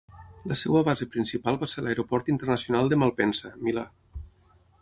La seva base principal va ser l'aeroport internacional de Malpensa, Milà.